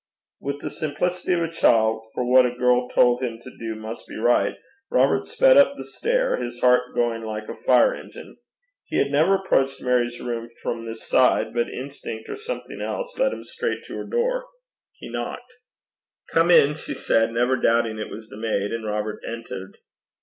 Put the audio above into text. With the simplicity of a child, for what a girl told him to do must be right, Robert sped up the stair, his heart going like a fire engine. He had never approached Mary's room from this side, but instinct or something else led him straight to her door. He knocked. 'Come in,' she said, never doubting it was the maid, and Robert entered.